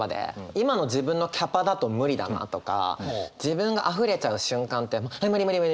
今の自分のキャパだと無理だなとか自分があふれちゃう瞬間って無理無理無理無理みたいな。